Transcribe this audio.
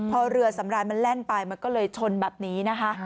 พอเรือสำรานมันแล่นไปมันก็เลยชนแบบนี้นะคะ